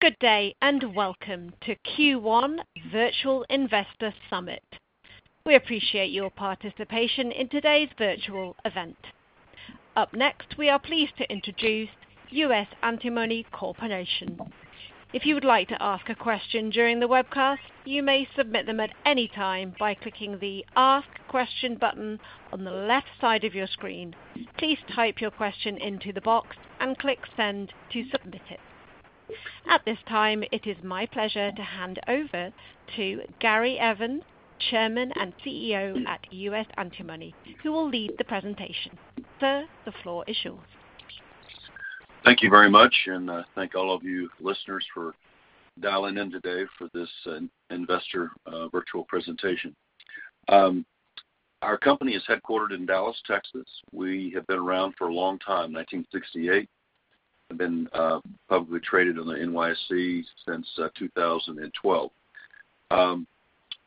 Good day and welcome to Q1 Virtual Investor Summit. We appreciate your participation in today's virtual event. Up next, we are pleased to introduce US Antimony Corporation. If you would like to ask a question during the webcast, you may submit them at any time by clicking the Ask Question button on the left side of your screen. Please type your question into the box and click Send to submit it. At this time, it is my pleasure to hand over to Gary Evans, Chairman and CEO at US Antimony, who will lead the presentation. Sir, the floor is yours. Thank you very much, and thank all of you listeners for dialing in today for this investor virtual presentation. Our company is headquartered in Dallas, Texas. We have been around for a long time, 1968. We've been publicly traded on the NYSE since 2012.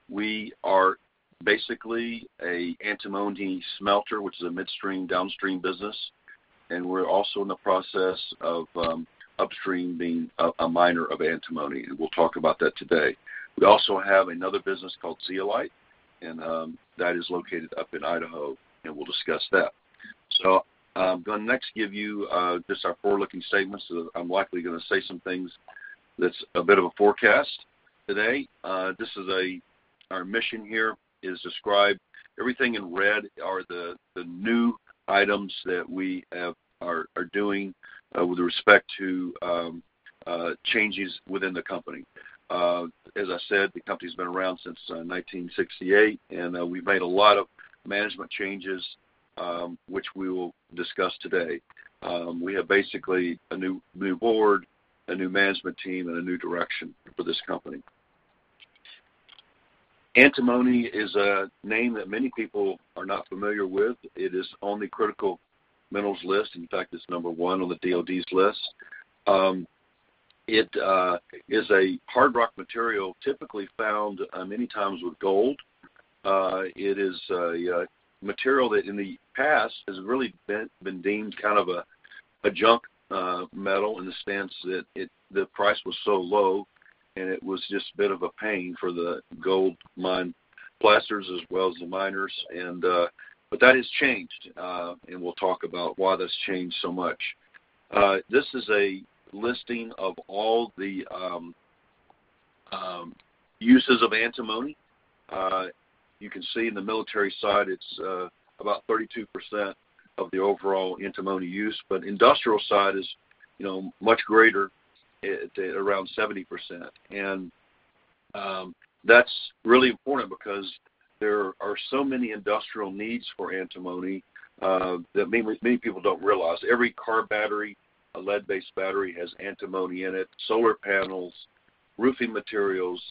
We are basically an antimony smelter, which is a midstream, downstream business, and we're also in the process of upstream being a miner of antimony, and we'll talk about that today. We also have another business called Zeolite, and that is located up in Idaho, and we'll discuss that. I am going to next give you just our forward-looking statements. I am likely going to say some things that's a bit of a forecast today. This is our mission here is described. Everything in red are the new items that we are doing with respect to changes within the company. As I said, the company's been around since 1968, and we've made a lot of management changes, which we will discuss today. We have basically a new board, a new management team, and a new direction for this company. Antimony is a name that many people are not familiar with. It is on the critical minerals list. In fact, it's number one on the DOD's list. It is a hard rock material typically found many times with gold. It is a material that in the past has really been deemed kind of a junk metal in the sense that the price was so low, and it was just a bit of a pain for the gold mine placers as well as the miners. That has changed, and we'll talk about why that's changed so much. This is a listing of all the uses of antimony. You can see in the military side, it's about 32% of the overall antimony use, but the industrial side is much greater, around 70%. That's really important because there are so many industrial needs for antimony that many people don't realize. Every car battery, a lead-based battery, has antimony in it, solar panels, roofing materials,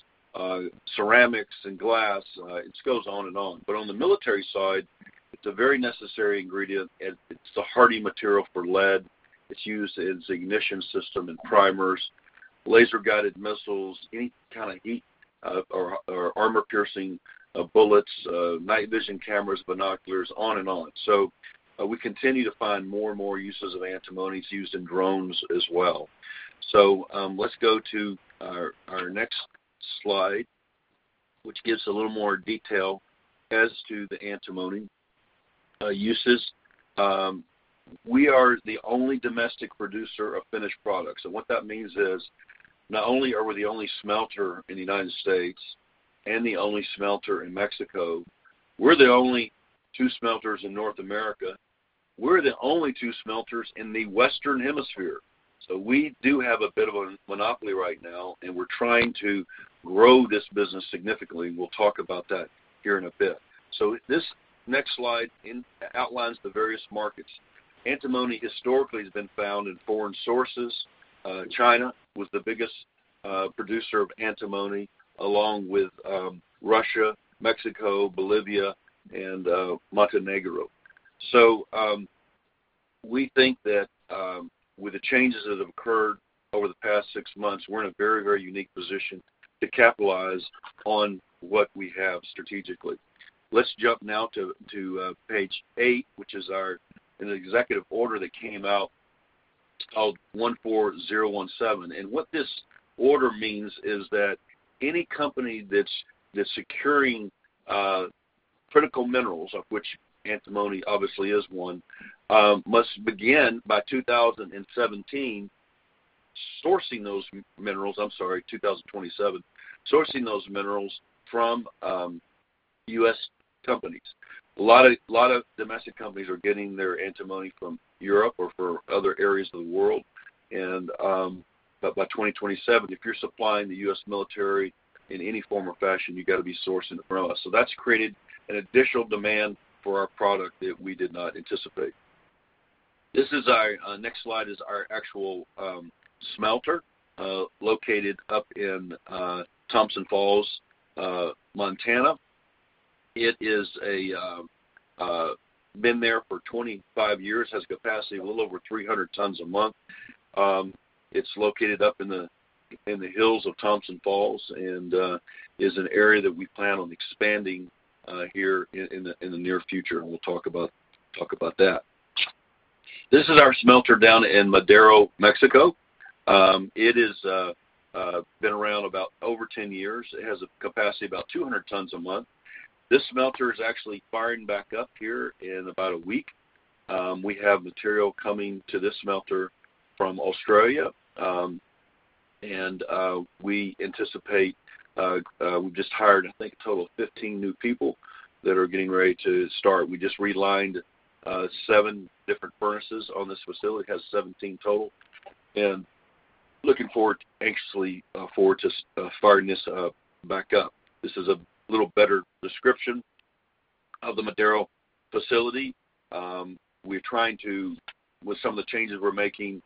ceramics, and glass. It goes on and on. On the military side, it's a very necessary ingredient. It's a hardy material for lead. It's used in its ignition system and primers, laser-guided missiles, any kind of heat or armor-piercing bullets, night vision cameras, binoculars, on and on. We continue to find more and more uses of antimony. It's used in drones as well. Let's go to our next slide, which gives a little more detail as to the antimony uses. We are the only domestic producer of finished products. What that means is not only are we the only smelter in the United States and the only smelter in Mexico, we're the only two smelters in North America. We're the only two smelters in the Western Hemisphere. We do have a bit of a monopoly right now, and we're trying to grow this business significantly. We'll talk about that here in a bit. This next slide outlines the various markets. Antimony historically has been found in foreign sources. China was the biggest producer of antimony, along with Russia, Mexico, Bolivia, and Montenegro. We think that with the changes that have occurred over the past six months, we're in a very, very unique position to capitalize on what we have strategically. Let's jump now to page eight, which is in the executive order that came out called 14017. What this order means is that any company that's securing critical minerals, of which antimony obviously is one, must begin by 2027 sourcing those minerals from US companies. A lot of domestic companies are getting their antimony from Europe or from other areas of the world. By 2027, if you're supplying the US military in any form or fashion, you've got to be sourcing from us. That has created an additional demand for our product that we did not anticipate. This is our next slide, our actual smelter located up in Thompson Falls, Montana. It has been there for 25 years. It has a capacity of a little over 300 tons a month. It's located up in the hills of Thompson Falls and is an area that we plan on expanding here in the near future, and we'll talk about that. This is our smelter down in Madero, Mexico. It has been around about over 10 years. It has a capacity of about 200 tons a month. This smelter is actually firing back up here in about a week. We have material coming to this smelter from Australia, and we anticipate we've just hired, I think, a total of 15 new people that are getting ready to start. We just relined seven different furnaces on this facility. It has 17 total. Looking forward, anxiously forward to firing this back up. This is a little better description of the Madero facility. We're trying to, with some of the changes we're making,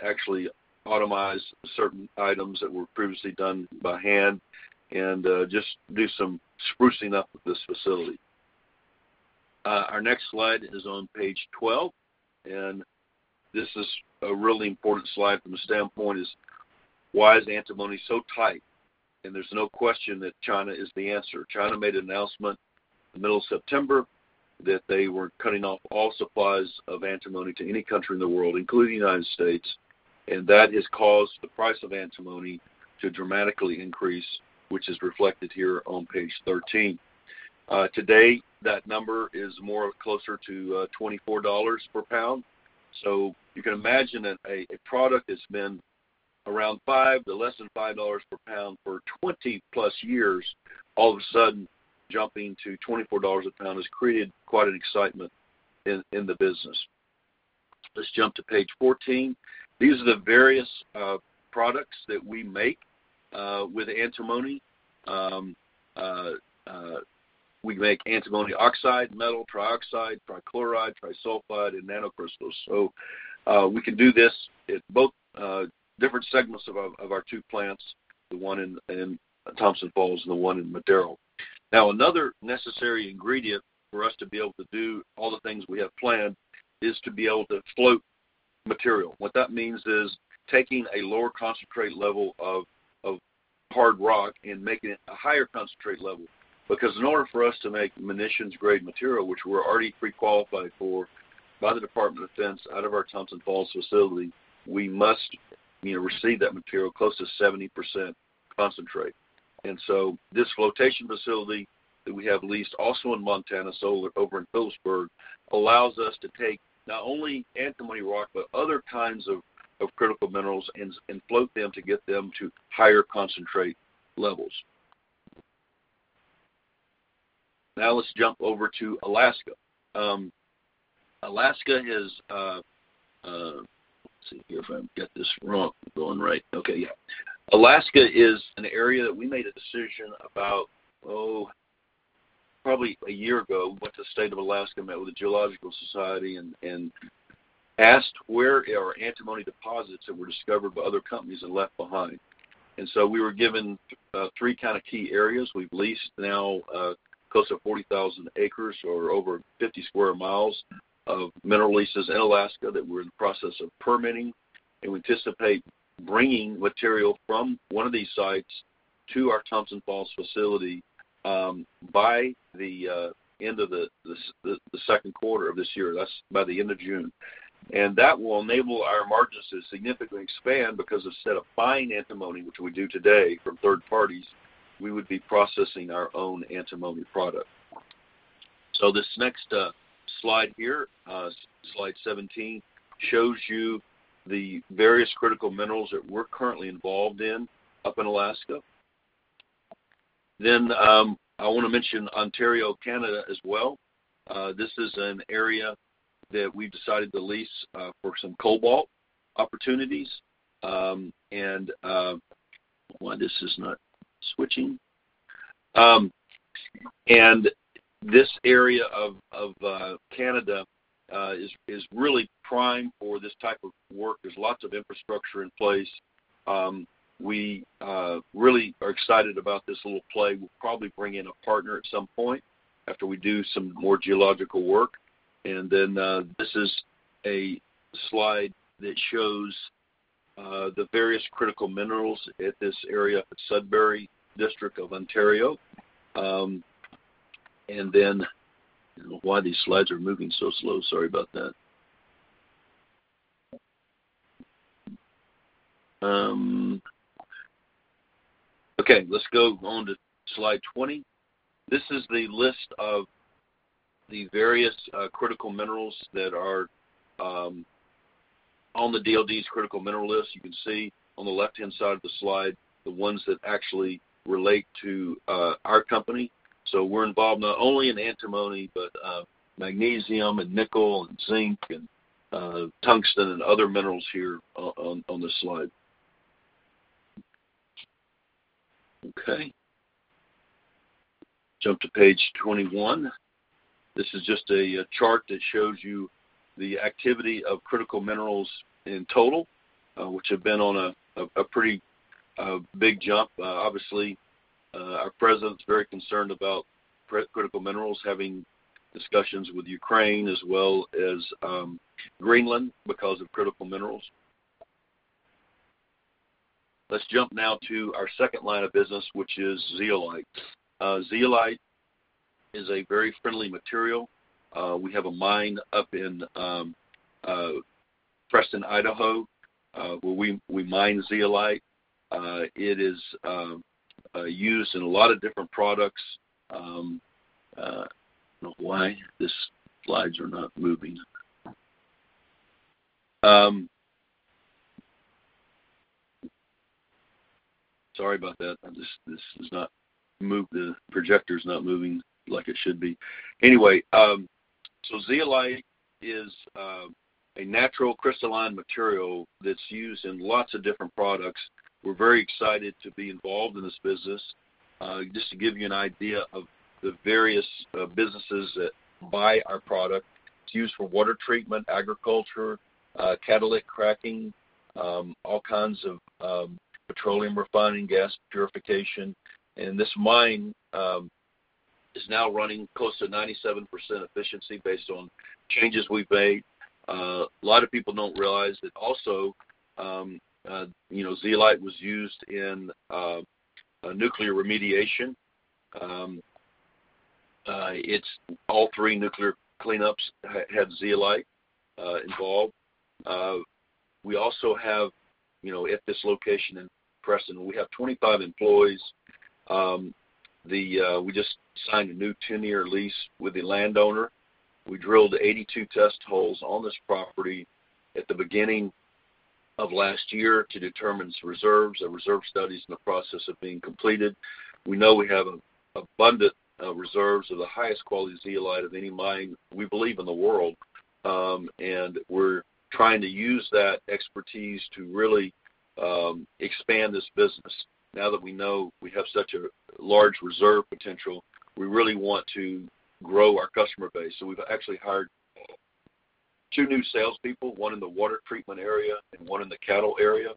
actually automize certain items that were previously done by hand and just do some sprucing up of this facility. Our next slide is on page 12, and this is a really important slide from the standpoint is why is antimony so tight? There's no question that China is the answer. China made an announcement in the middle of September that they were cutting off all supplies of antimony to any country in the world, including the United States, and that has caused the price of antimony to dramatically increase, which is reflected here on page 13. Today, that number is more closer to $24 per pound. You can imagine that a product that's been around $5 to less than $5 per pound for 20-plus years, all of a sudden jumping to $24 a pound has created quite an excitement in the business. Let's jump to page 14. These are the various products that we make with antimony. We make antimony oxide, metal trioxide, trichloride, trisulfide, and nanocrystals. We can do this at both different segments of our two plants, the one in Thompson Falls and the one in Madero. Now, another necessary ingredient for us to be able to do all the things we have planned is to be able to float material. What that means is taking a lower concentrate level of hard rock and making it a higher concentrate level. Because in order for us to make munitions-grade material, which we're already pre-qualified for by the Department of Defense out of our Thompson Falls facility, we must receive that material close to 70% concentrate. This flotation facility that we have leased also in Montana, over in Phillipsburg, allows us to take not only antimony rock, but other kinds of critical minerals and float them to get them to higher concentrate levels. Now let's jump over to Alaska. Alaska is—let's see here if I get this wrong. I'm going right. Okay, yeah. Alaska is an area that we made a decision about, oh, probably a year ago. We went to the state of Alaska, met with the Geological Society, and asked where our antimony deposits that were discovered by other companies and left behind. We were given three kind of key areas. We've leased now close to 40,000 acres or over 50 sq mi of mineral leases in Alaska that we're in the process of permitting. We anticipate bringing material from one of these sites to our Thompson Falls facility by the end of the Q2 of this year. That is by the end of June. That will enable our margins to significantly expand because instead of buying antimony, which we do today from third parties, we would be processing our own antimony product. This next slide here, slide 17, shows you the various critical minerals that we are currently involved in up in Alaska. I want to mention Ontario, Canada as well. This is an area that we have decided to lease for some cobalt opportunities. This area of Canada is really prime for this type of work. There is lots of infrastructure in place. We really are excited about this little play. We'll probably bring in a partner at some point after we do some more geological work. This is a slide that shows the various critical minerals at this area of Sudbury District of Ontario. Why these slides are moving so slow. Sorry about that. Okay, let's go on to slide 20. This is the list of the various critical minerals that are on the DOD's critical mineral list. You can see on the left-hand side of the slide the ones that actually relate to our company. We're involved not only in antimony, but magnesium and nickel and zinc and tungsten and other minerals here on this slide. Okay. Jump to page 21. This is just a chart that shows you the activity of critical minerals in total, which have been on a pretty big jump. Obviously, our president's very concerned about critical minerals having discussions with Ukraine as well as Greenland because of critical minerals. Let's jump now to our second line of business, which is Zeolite. Zeolite is a very friendly material. We have a mine up in Preston, Idaho, where we mine Zeolite. It is used in a lot of different products. I don't know why these slides are not moving. Sorry about that. This is not moving. The projector is not moving like it should be. Anyway, so Zeolite is a natural crystalline material that's used in lots of different products. We're very excited to be involved in this business. Just to give you an idea of the various businesses that buy our product, it's used for water treatment, agriculture, catalytic cracking, all kinds of petroleum refining, gas purification. This mine is now running close to 97% efficiency based on changes we've made. A lot of people don't realize that also Zeolite was used in nuclear remediation. All three nuclear cleanups had Zeolite involved. We also have at this location in Preston, we have 25 employees. We just signed a new 10-year lease with the landowner. We drilled 82 test holes on this property at the beginning of last year to determine reserves. The reserve study is in the process of being completed. We know we have abundant reserves of the highest quality Zeolite of any mine we believe in the world. We are trying to use that expertise to really expand this business. Now that we know we have such a large reserve potential, we really want to grow our customer base. We've actually hired two new salespeople, one in the water treatment area and one in the cattle area.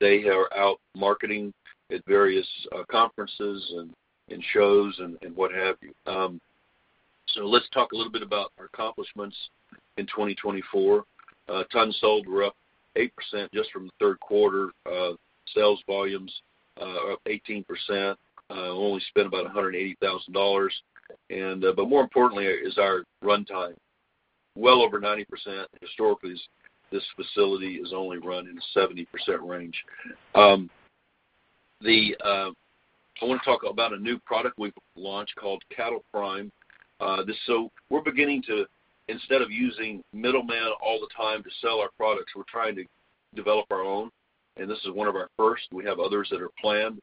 They are out marketing at various conferences and shows and what have you. Let's talk a little bit about our accomplishments in 2024. Tons sold were up 8% just from the Q3. Sales volumes are up 18%. We only spent about $180,000. More importantly is our runtime. Well over 90%. Historically, this facility has only run in the 70% range. I want to talk about a new product we've launched called Cattle Prime. We're beginning to, instead of using middlemen all the time to sell our products, try to develop our own. This is one of our first. We have others that are planned.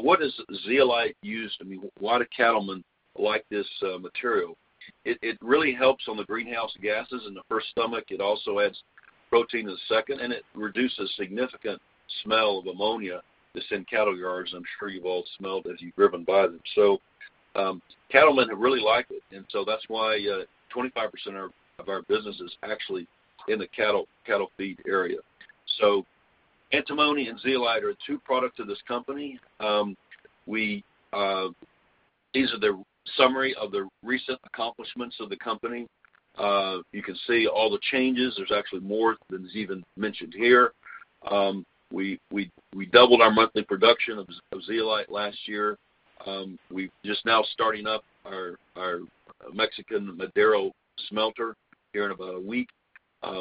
What is Zeolite used for? I mean, why do cattlemen like this material? It really helps on the greenhouse gases in the first stomach. It also adds protein in the second, and it reduces significant smell of ammonia that's in cattle yards. I'm sure you've all smelled as you've driven by them. Cattlemen have really liked it. That's why 25% of our business is actually in the cattle feed area. Antimony and Zeolite are two products of this company. These are the summary of the recent accomplishments of the company. You can see all the changes. There's actually more than is even mentioned here. We doubled our monthly production of Zeolite last year. We're just now starting up our Mexican Madero smelter here in about a week.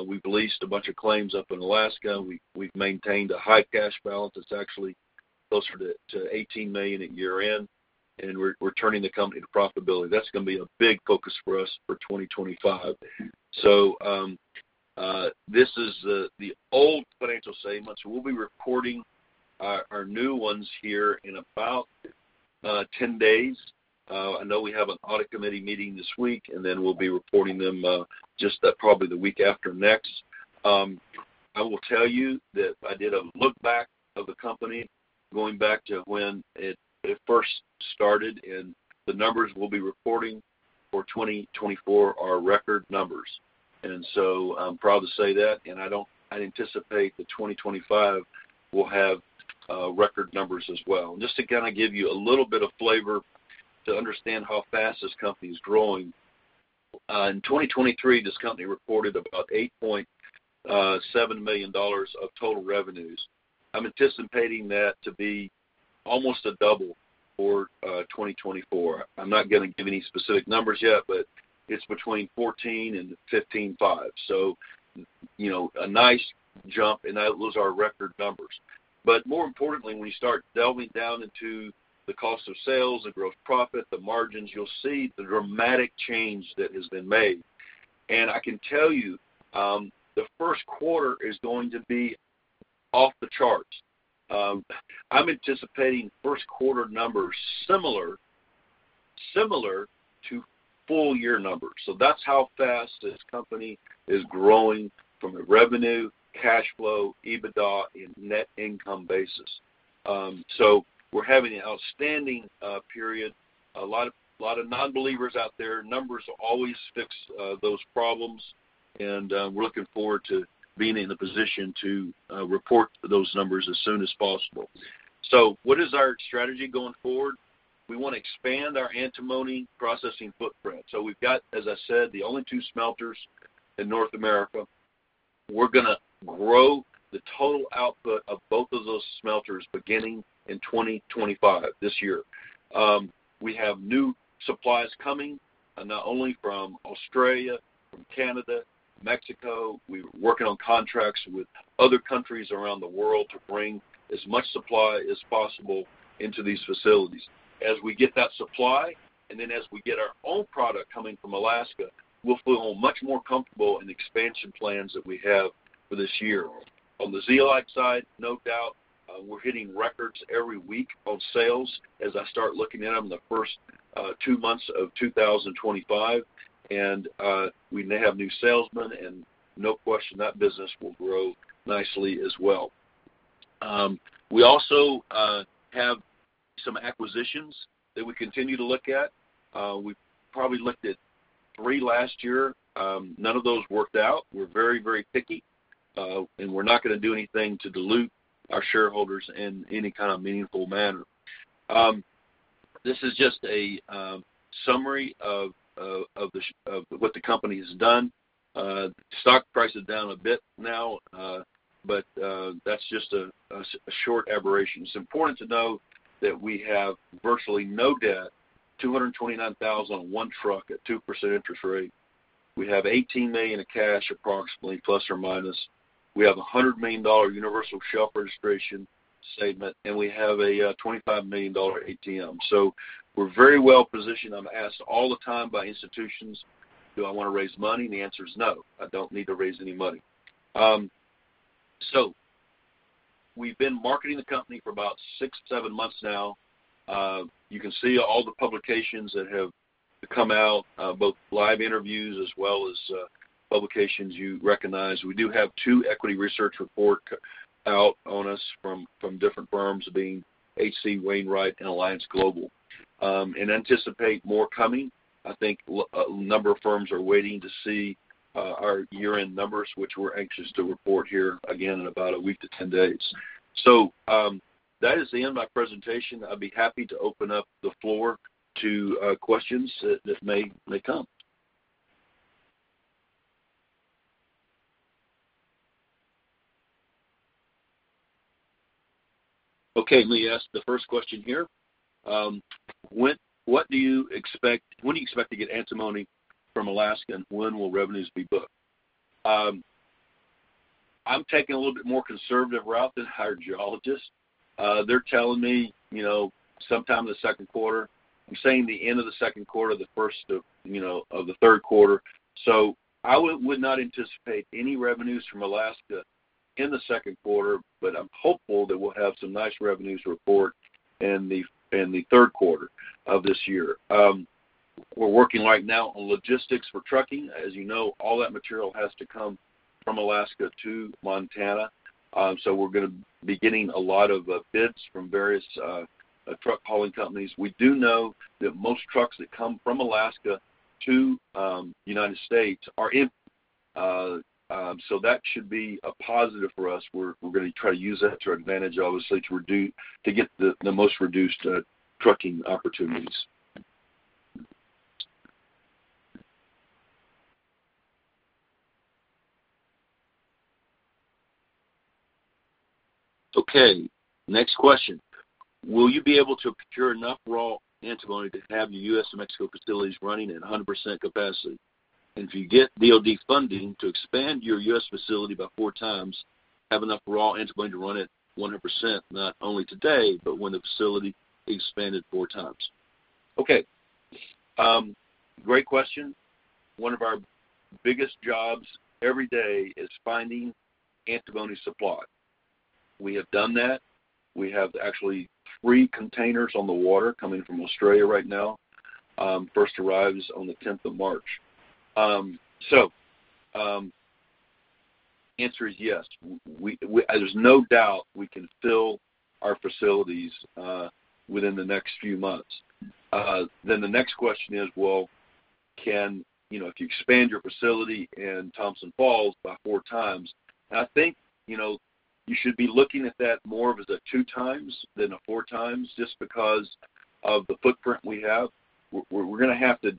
We've leased a bunch of claims up in Alaska. We've maintained a high cash balance. It's actually closer to $18 million at year-end. We're turning the company to profitability. is going to be a big focus for us for 2025. This is the old financial statements. We will be reporting our new ones here in about 10 days. I know we have an audit committee meeting this week, and then we will be reporting them just probably the week after next. I will tell you that I did a look back of the company going back to when it first started, and the numbers we will be reporting for 2024 are record numbers. I am proud to say that. I anticipate that 2025 will have record numbers as well. Just to kind of give you a little bit of flavor to understand how fast this company is growing, in 2023, this company reported about $8.7 million of total revenues. I am anticipating that to be almost a double for 2024. I'm not going to give any specific numbers yet, but it's between 14 and 15.5. A nice jump, and that was our record numbers. More importantly, when you start delving down into the cost of sales and gross profit, the margins, you'll see the dramatic change that has been made. I can tell you the Q1 is going to be off the charts. I'm anticipating Q1 numbers similar to full-year numbers. That's how fast this company is growing from the revenue, cash flow, EBITDA, and net income basis. We're having an outstanding period. A lot of non-believers out there. Numbers always fix those problems. We're looking forward to being in a position to report those numbers as soon as possible. What is our strategy going forward? We want to expand our antimony processing footprint. We have, as I said, the only two smelters in North America. We are going to grow the total output of both of those smelters beginning in 2025, this year. We have new supplies coming, not only from Australia, from Canada, Mexico. We are working on contracts with other countries around the world to bring as much supply as possible into these facilities. As we get that supply, and then as we get our own product coming from Alaska, we will feel much more comfortable in the expansion plans that we have for this year. On the Zeolite side, no doubt, we are hitting records every week on sales as I start looking at them in the first two months of 2025. We may have new salesmen, and no question that business will grow nicely as well. We also have some acquisitions that we continue to look at. We probably looked at three last year. None of those worked out. We're very, very picky. We're not going to do anything to dilute our shareholders in any kind of meaningful manner. This is just a summary of what the company has done. Stock price is down a bit now, but that's just a short aberration. It's important to know that we have virtually no debt, $229,000 on one truck at 2% interest rate. We have $18 million in cash approximately, plus or minus. We have a $100 million universal shelf registration statement, and we have a $25 million ATM. We're very well positioned. I'm asked all the time by institutions, "Do I want to raise money?" The answer is no. I don't need to raise any money. We've been marketing the company for about six, seven months now. You can see all the publications that have come out, both live interviews as well as publications you recognize. We do have two equity research reports out on us from different firms being HC Wainwright and Alliance Global. We anticipate more coming. I think a number of firms are waiting to see our year-end numbers, which we're anxious to report here again in about a week to 10 days. That is the end of my presentation. I'd be happy to open up the floor to questions that may come. Okay, Lee Ask, the first question here. What do you expect? When do you expect to get antimony from Alaska, and when will revenues be booked? I'm taking a little bit more conservative route than hired geologists. They're telling me sometime in the Q2. I'm saying the end of the Q2, the first of the Q3. I would not anticipate any revenues from Alaska in the Q2, but I'm hopeful that we'll have some nice revenues report in the Q3 of this year. We're working right now on logistics for trucking. As you know, all that material has to come from Alaska to Montana. We're going to be getting a lot of bids from various truck hauling companies. We do know that most trucks that come from Alaska to the United States are imported. That should be a positive for us. We're going to try to use that to our advantage, obviously, to get the most reduced trucking opportunities. Okay. Next question. Will you be able to procure enough raw antimony to have the U.S. and Mexico facilities running at 100% capacity? And if you get DOD funding to expand your U.S. facility by four times, have enough raw antimony to run at 100%, not only today, but when the facility expanded four times? Okay. Great question. One of our biggest jobs every day is finding antimony supply. We have done that. We have actually three containers on the water coming from Australia right now. First arrives on the 10th of March. The answer is yes. There's no doubt we can fill our facilities within the next few months. The next question is, if you expand your facility in Thompson Falls by four times, I think you should be looking at that more as a two times than a four times just because of the footprint we have. We're going to have to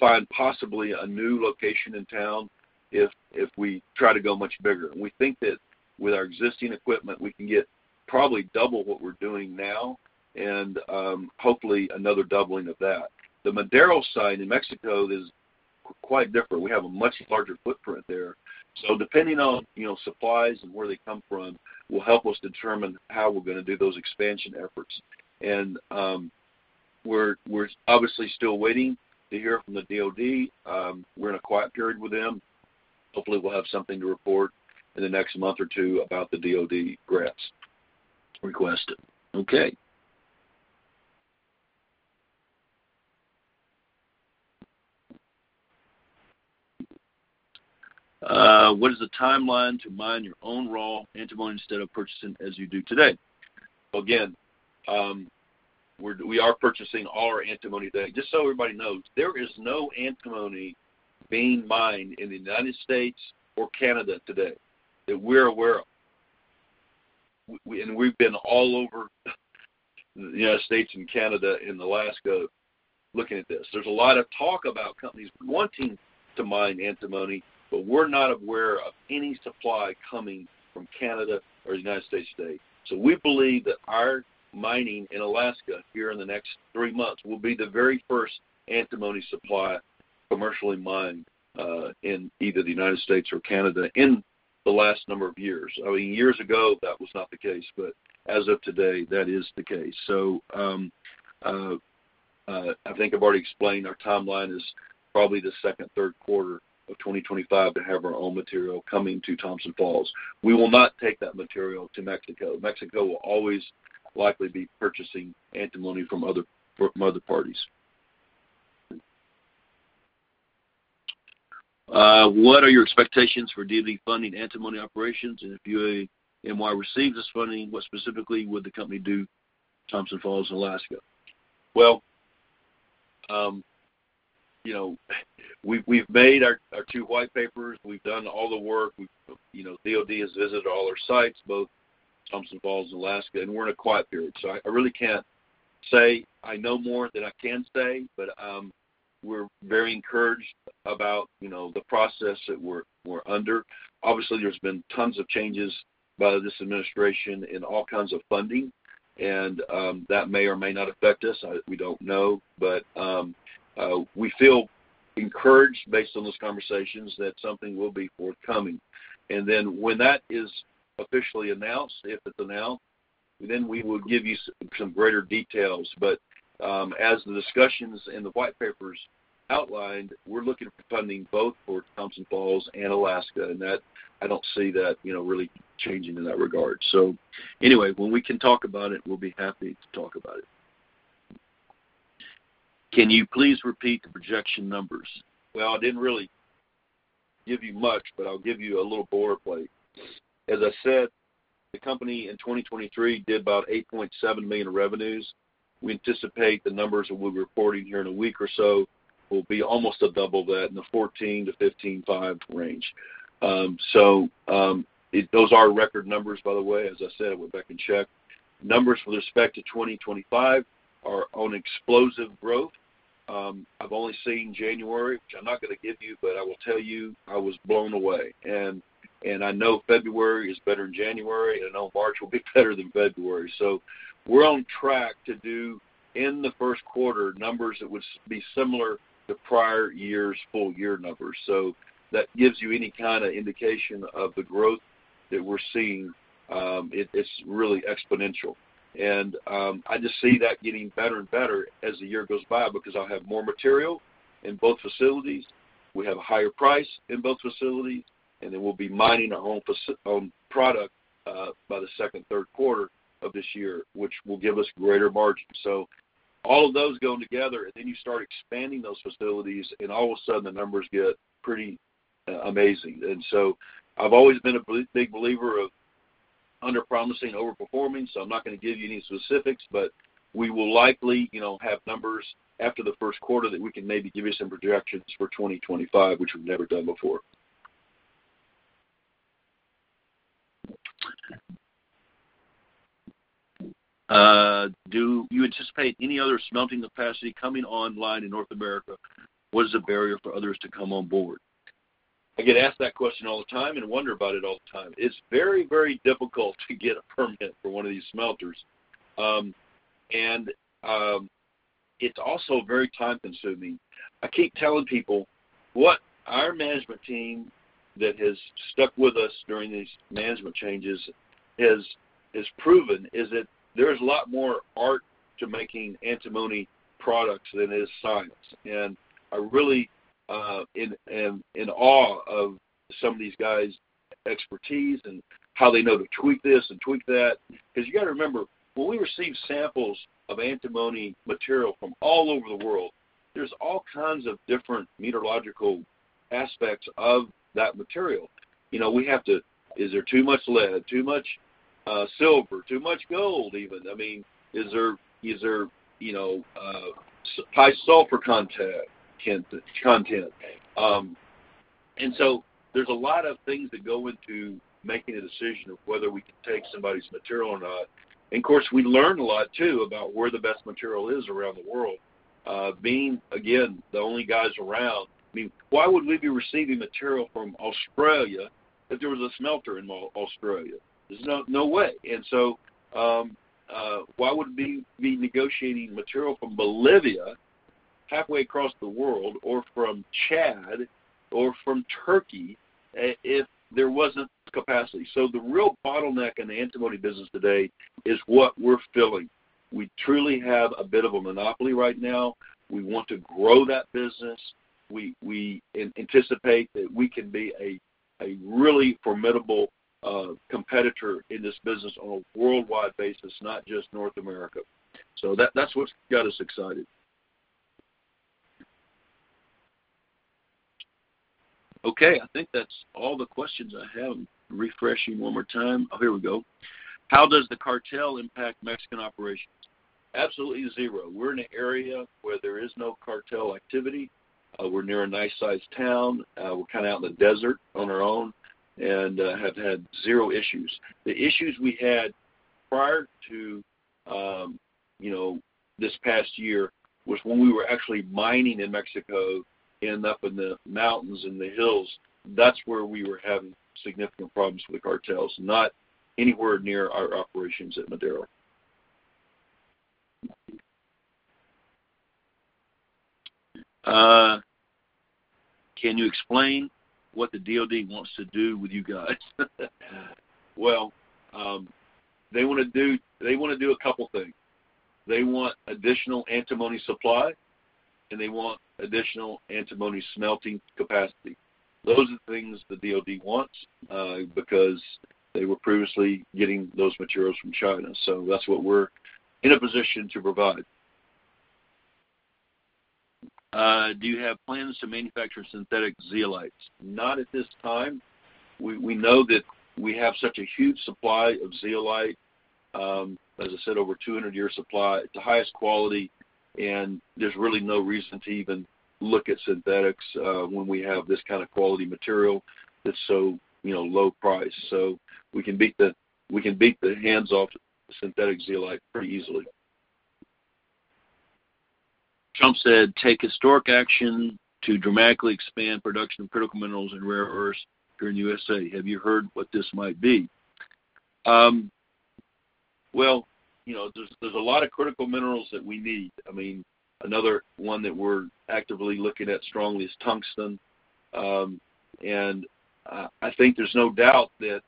find possibly a new location in town if we try to go much bigger. We think that with our existing equipment, we can get probably double what we're doing now, and hopefully another doubling of that. The Madero site in Mexico is quite different. We have a much larger footprint there. Depending on supplies and where they come from will help us determine how we're going to do those expansion efforts. We're obviously still waiting to hear from the DOD. We're in a quiet period with them. Hopefully, we'll have something to report in the next month or two about the DOD grants requested. Okay. What is the timeline to mine your own raw antimony instead of purchasing as you do today? Again, we are purchasing all our antimony today. Just so everybody knows, there is no antimony being mined in the United States or Canada today that we're aware of. We've been all over the United States and Canada and Alaska looking at this. There's a lot of talk about companies wanting to mine antimony, but we're not aware of any supply coming from Canada or the United States today. We believe that our mining in Alaska here in the next three months will be the very first antimony supply commercially mined in either the United States or Canada in the last number of years. I mean, years ago, that was not the case, but as of today, that is the case. I think I've already explained our timeline is probably the second, Q3 of 2025 to have our own material coming to Thompson Falls. We will not take that material to Mexico. Mexico will always likely be purchasing antimony from other parties. What are your expectations for DOD funding antimony operations? If UAMY receives this funding, what specifically would the company do, Thompson Falls, Alaska? We have made our two white papers. We have done all the work. DOD has visited all our sites, both Thompson Falls, Alaska, and we are in a quiet period. I really cannot say I know more than I can say, but we are very encouraged about the process that we are under. Obviously, there have been tons of changes by this administration in all kinds of funding, and that may or may not affect us. We do not know. We feel encouraged based on those conversations that something will be forthcoming. When that is officially announced, if it is announced, we will give you some greater details. As the discussions in the white papers outlined, we are looking for funding both for Thompson Falls and Alaska. I do not see that really changing in that regard. Anyway, when we can talk about it, we'll be happy to talk about it. Can you please repeat the projection numbers? I didn't really give you much, but I'll give you a little boilerplate. As I said, the company in 2023 did about $8.7 million in revenues. We anticipate the numbers that we'll be reporting here in a week or so will be almost double that in the $14-$15.5 million range. Those are record numbers, by the way. As I said, I went back and checked. Numbers with respect to 2025 are on explosive growth. I've only seen January, which I'm not going to give you, but I will tell you I was blown away. I know February is better than January, and I know March will be better than February. We're on track to do, in the Q1, numbers that would be similar to prior year's full-year numbers. That gives you any kind of indication of the growth that we're seeing. It's really exponential. I just see that getting better and better as the year goes by because I'll have more material in both facilities. We have a higher price in both facilities, and then we'll be mining our own product by the second, Q3 of this year, which will give us greater margins. All of those going together, and then you start expanding those facilities, and all of a sudden, the numbers get pretty amazing. I've always been a big believer of under-promising and over-performing. I'm not going to give you any specifics, but we will likely have numbers after the Q1 that we can maybe give you some projections for 2025, which we've never done before. Do you anticipate any other smelting capacity coming online in North America? What is a barrier for others to come on board? I get asked that question all the time and wonder about it all the time. It's very, very difficult to get a permit for one of these smelters. It's also very time-consuming. I keep telling people what our management team that has stuck with us during these management changes has proven is that there is a lot more art to making antimony products than it is science. I'm really in awe of some of these guys' expertise and how they know to tweak this and tweak that. Because you got to remember, when we receive samples of antimony material from all over the world, there's all kinds of different metallurgical aspects of that material. We have to. Is there too much lead, too much silver, too much gold even? I mean, is there high sulfur content? There are a lot of things that go into making a decision of whether we can take somebody's material or not. Of course, we learn a lot too about where the best material is around the world. Being, again, the only guys around, I mean, why would we be receiving material from Australia if there was a smelter in Australia? There's no way. Why would we be negotiating material from Bolivia, halfway across the world, or from Chad, or from Turkey if there wasn't capacity? The real bottleneck in the antimony business today is what we're filling. We truly have a bit of a monopoly right now. We want to grow that business. We anticipate that we can be a really formidable competitor in this business on a worldwide basis, not just North America. That's what's got us excited. Okay. I think that's all the questions I have. I'm refreshing one more time. Oh, here we go. How does the cartel impact Mexican operations? Absolutely zero. We're in an area where there is no cartel activity. We're near a nice-sized town. We're kind of out in the desert on our own and have had zero issues. The issues we had prior to this past year was when we were actually mining in Mexico and up in the mountains and the hills. That's where we were having significant problems with the cartels, not anywhere near our operations at Madero. Can you explain what the DOD wants to do with you guys? They want to do a couple of things. They want additional antimony supply, and they want additional antimony smelting capacity. Those are the things the DOD wants because they were previously getting those materials from China. That's what we're in a position to provide. Do you have plans to manufacture synthetic Zeolites? Not at this time. We know that we have such a huge supply of Zeolite. As I said, over 200-year supply. It's the highest quality, and there's really no reason to even look at synthetics when we have this kind of quality material that's so low price. We can beat the hands-off synthetic Zeolite pretty easily. Trump said, "Take historic action to dramatically expand production of critical minerals and rare earths here in the USA." Have you heard what this might be? There's a lot of critical minerals that we need. I mean, another one that we're actively looking at strongly is tungsten. I think there's no doubt that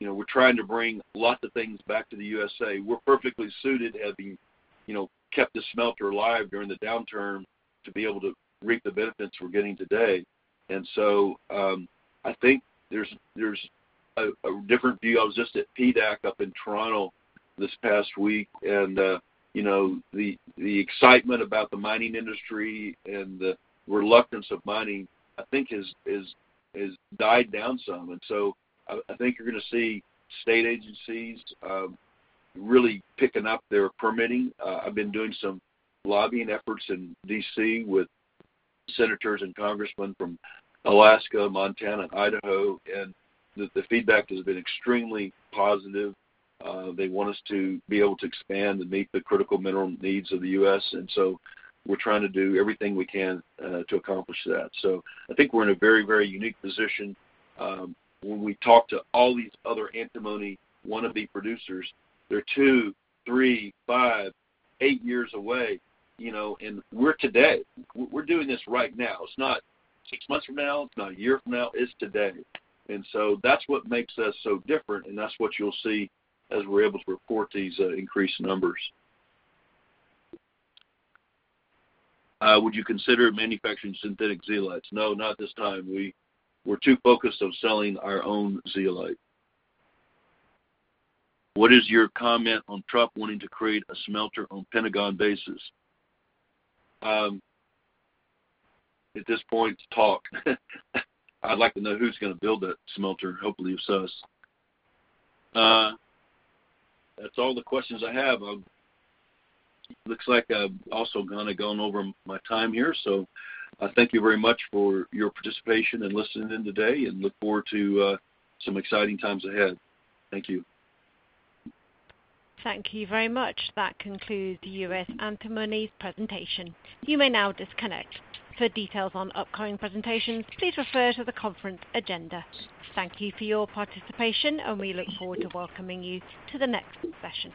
we're trying to bring lots of things back to the USA. We're perfectly suited to have kept the smelter alive during the downturn to be able to reap the benefits we're getting today. I think there's a different view. I was just at PDAC up in Toronto this past week, and the excitement about the mining industry and the reluctance of mining, I think, has died down some. I think you're going to see state agencies really picking up their permitting. I've been doing some lobbying efforts in D.C. with senators and congressmen from Alaska, Montana, Idaho, and the feedback has been extremely positive. They want us to be able to expand and meet the critical mineral needs of the U.S. We are trying to do everything we can to accomplish that. I think we're in a very, very unique position. When we talk to all these other antimony wannabe producers, they're two, three, five, eight years away. We are today. We're doing this right now. It's not six months from now. It's not a year from now. It's today. That is what makes us so different, and that is what you'll see as we're able to report these increased numbers. Would you consider manufacturing synthetic Zeolites? No, not at this time. We're too focused on selling our own Zeolite. What is your comment on Trump wanting to create a smelter on Pentagon bases? At this point, talk. I'd like to know who's going to build that smelter, hopefully us. That's all the questions I have. Looks like I've also kind of gone over my time here. I thank you very much for your participation and listening in today, and look forward to some exciting times ahead. Thank you. Thank you very much. That concludes the US Antimony's presentation. You may now disconnect. For details on upcoming presentations, please refer to the conference agenda. Thank you for your participation, and we look forward to welcoming you to the next session.